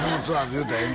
言うたらええね